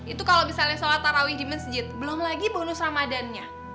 itu kalau misalnya sholat tarawih di masjid belum lagi bonus ramadhannya